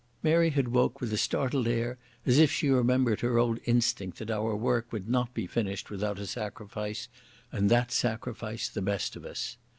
Mary had woke with a startled air as if she remembered her old instinct that our work would not be finished without a sacrifice, and that sacrifice the best of us.